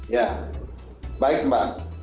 ya baik mbak